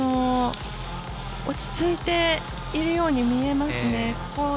落ち着いているように見えますね。